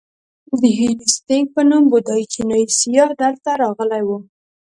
د هیونتسینګ په نوم بودایي چینایي سیاح دلته راغلی و.